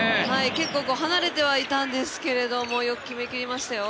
結構、離れてはいたんですけれどもよく決めましたよ。